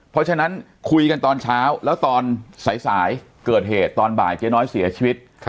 เพราะฉะนั้นคุยกันตอนเช้าแล้วตอนสายเกิดเหตุตอนบ่ายเจ๊น้อยเสียชีวิต